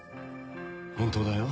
本当だよ。